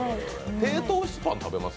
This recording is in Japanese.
低糖質パン、食べます？